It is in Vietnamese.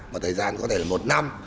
mà thời gian có thể là một năm